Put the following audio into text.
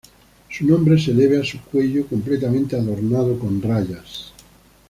Su nombre se debe a su cuello completamente adornado con rayas.